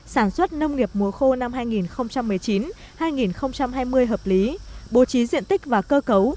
sản xuất nông nghiệp mùa khô năm hai nghìn một mươi chín hai nghìn hai mươi hợp lý bố trí diện tích và cơ cấu